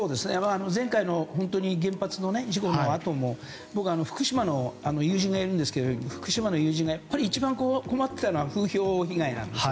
前回の原発の事故のあとも僕は福島に友人がいるんですけどその友人がやっぱり一番困っていたのが風評被害なんです。